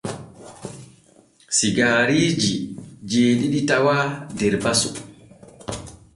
Sigaariiji jeeɗiɗi tawaa der basu.